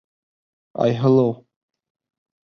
Айһылыу: